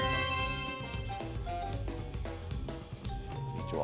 こんにちは。